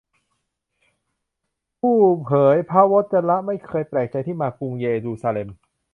ผู้เผยพระวจนะไม่เคยแปลกใจมาที่กรุงเยรูซาเล็ม